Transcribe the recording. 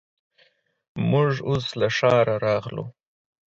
موږ اوس له ښاره راغلو.